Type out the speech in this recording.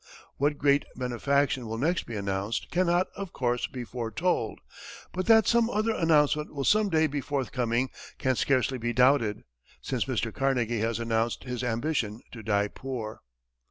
What great benefaction will next be announced cannot, of course, be foretold, but that some other announcement will some day be forthcoming can scarcely be doubted, since Mr. Carnegie has announced his ambition to die poor.